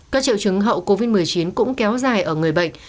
các triệu chứng hậu covid một mươi chín cũng kéo dài ở người bệnh